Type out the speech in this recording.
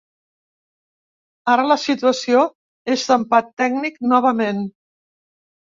Ara la situació és d’empat tècnic novament.